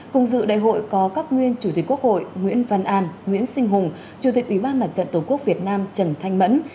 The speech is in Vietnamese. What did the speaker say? cùng dự đại hội có các nguyên chủ tịch quốc hội nguyễn văn an nguyễn sinh hùng chủ tịch ủy ban mặt trận tổ quốc việt nam trần thanh mẫn